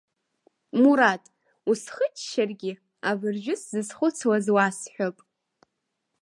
Мураҭ, усхыччаргьы, абыржәы сзызхәыцуаз уасҳәап.